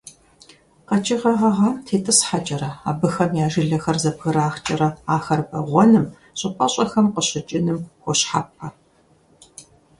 КъэкӀыгъэ гъэгъам тетӀысхьэкӀэрэ, абыхэм я жылэхэр зэбграхкӀэрэ ахэр бэгъуэным, щӀыпӀэщӀэхэм къыщыкӀыным хуощхьэпэ.